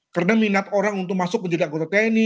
karena minat orang untuk masuk menjadi anggota tni